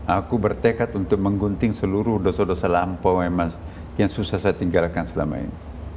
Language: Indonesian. aku bertekad untuk menggunting seluruh dosa dosa lampau yang susah saya tinggalkan selama ini